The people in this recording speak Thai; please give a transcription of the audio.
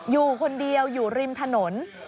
อยู่คนเดียวอยู่ริมถนน